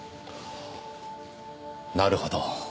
なるほど。